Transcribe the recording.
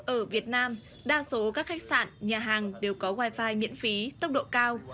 ở việt nam đa số các khách sạn nhà hàng đều có wi fi miễn phí tốc độ cao